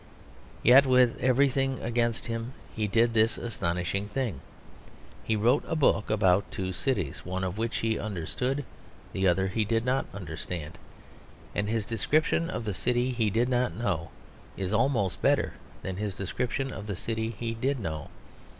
Yet with everything against him he did this astonishing thing. He wrote a book about two cities, one of which he understood; the other he did not understand. And his description of the city he did not know is almost better than his description of the city he did know.